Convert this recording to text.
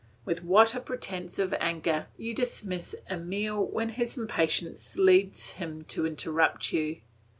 With what a pretence of anger you dismiss Emile when his impatience leads him to interrupt you?